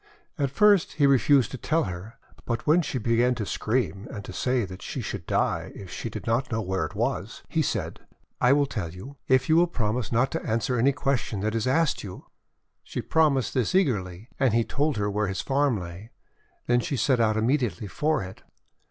At first he refused to tell her, but when she began to scream, and to say that she should die if she did not know where it was, he said :— 'I will tell you, if you will promise not to an swer any question that is asked you." She promised this eagerly, and he told her where his farm lay. Then she set out immediately for it.